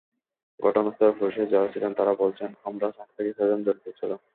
ঘটনাস্থলে পুলিশের যাঁরা ছিলেন, তাঁরা বলছেন, হামলায় পাঁচ থেকে ছয়জন জড়িত ছিল।